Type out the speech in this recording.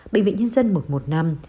bệnh viện nhân dân mực một năm